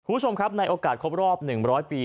คุณผู้ชมครับในโอกาสครบรอบ๑๐๐ปี